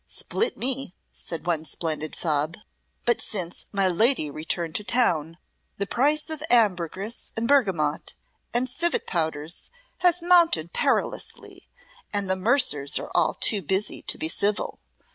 "Split me," said one splendid fop, "but since my lady returned to town the price of ambergris and bergamot and civet powders has mounted perilously, and the mercers are all too busy to be civil.